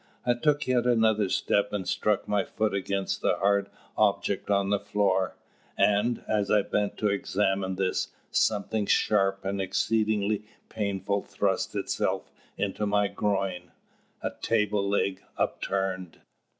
I took yet another step and struck my foot against a hard object on the floor; and, as I bent to examine this, something sharp and exceeding painful thrust itself into my groin a table leg, upturned.